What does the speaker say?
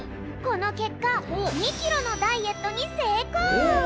このけっか２キロのダイエットに成功！